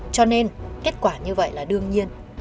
cho nên kết quả như vậy là đương nhiên